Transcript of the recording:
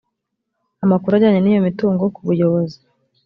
amakuru ajyanye n iyo mitungo ku buyobozi